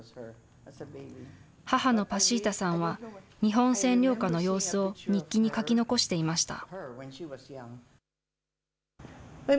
母のパシータは、日本占領下の様子を日記に書き残していました。